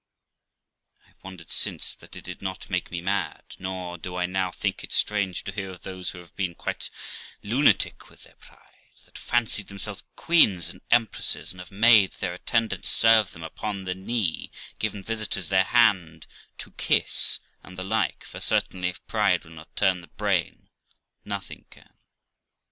I have wondered since that it did not make me mad ; nor do I now think it strange to hear of those who have been quite lunatic with their pride, that fancied themselves queens and empresses, and have made their attendants serve them upon the knee, given visitors their hand to kiss, and the like; for certainly, if pride will not turn the brain, nothing can.